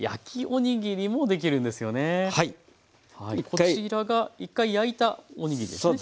こちらが１回焼いたおにぎりですね。